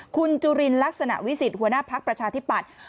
คุณจุลินลักษณะวิสิทธิหัวหน้าพักประชาธิปัตย์